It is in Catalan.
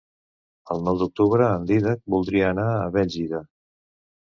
El nou d'octubre en Dídac voldria anar a Bèlgida.